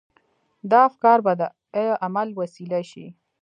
دا افکار به د عمل وسيله شي.